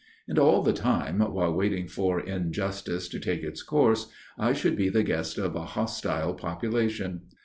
And all the time, while waiting for injustice to take its course, I should be the guest of a hostile population.